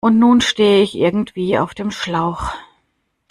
Und nun stehe ich irgendwie auf dem Schlauch.